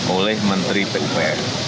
oleh menteri pupr